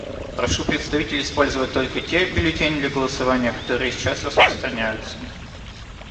Прошу представителей использовать только те бюллетени для голосования, которые сейчас распространяются.